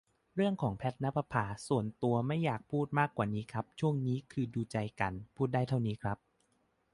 เรื่องของ แพทณปภา ส่วนตัวไม่อยากพูดมากกว่านี้ครับ ช่วงนี้ก็คือดูใจกัน พูดได้เท่านี้ครับ